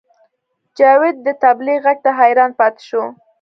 جاوید د طبلې غږ ته حیران پاتې شو